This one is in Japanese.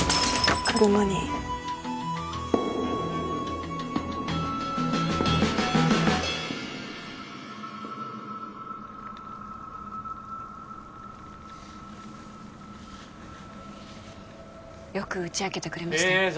車によく打ち明けてくれましたねえ